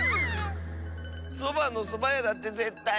「そばのそばや」だってぜったいこわいよ